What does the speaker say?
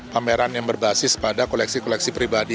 pameran yang berbasis pada koleksi koleksi pribadi